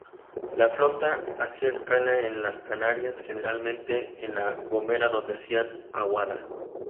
La flota hacía escala en las Canarias, generalmente en La Gomera donde hacían aguada.